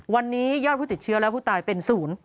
วันนี้ยอดผู้ติดเชื้อและผู้ตายเป็นศูนย์